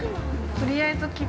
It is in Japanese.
とりあえず切符。